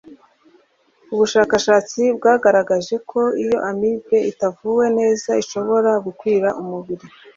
Ubushakashatsi bwagaragaje ko iyo Amibe itavuwe neza ishobora gukwira umubiri